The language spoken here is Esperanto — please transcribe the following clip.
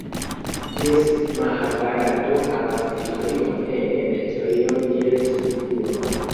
Tiel Mahabarato havas historion ene de historion kiel strukturo.